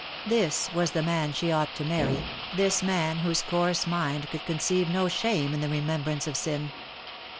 This was the man she ought to marry, this man whose coarse mind could conceive no shame in the remembrance of sin.